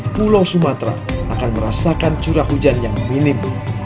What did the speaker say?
pulau sumatera akan merasakan curah hujan yang minim